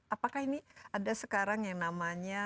apakah ini ada sekarang yang namanya